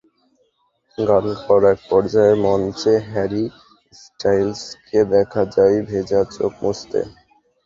গান গাওয়ার একপর্যায়ে মঞ্চে হ্যারি স্টাইলসকে দেখা যায় ভেজা চোখ মুছতে।